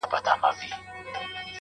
شاعره خداى دي زما ملگرى كه.